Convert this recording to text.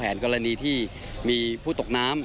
การฝึกซ้อมแผนกรณีที่อาจจะมีผู้ตกน้ำ